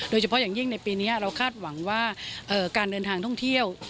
โดยเฉพาะอย่างยิ่งในปีนี้เราคาดหวังว่าการเดินทางท่องเที่ยว